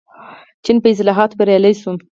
چین په اصلاحاتو بریالی شو.